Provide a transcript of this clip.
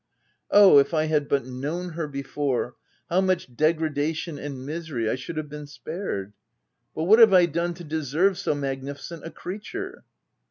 Oh ! if I had but known her before, how much degra dation and misery I should have been spared ! But what have I done to deserve so magnificent a creature